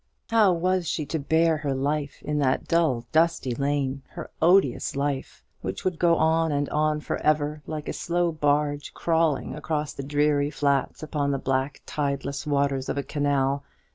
How was she to bear her life in that dull dusty lane her odious life, which would go on and on for ever, like a slow barge crawling across dreary flats upon the black tideless waters of a canal?